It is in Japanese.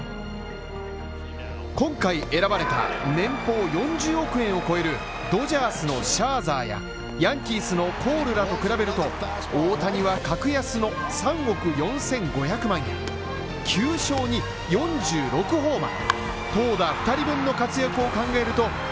今回選ばれた年俸４０億円を超えるドジャースのシャーザーやヤンキースのコールらと比べると、大谷は格安の３億４５００万円、９勝に４６ホーマー